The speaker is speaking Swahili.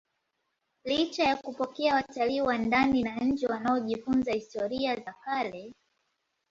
Licha ya kupokea watalii wa ndani na nje wanaojifunza historia za kale